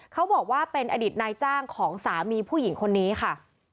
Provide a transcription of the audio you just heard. เขาบอกว่าเป็นอดีตนายจ้างของสามีผู้หญิงคนนี้ค่ะ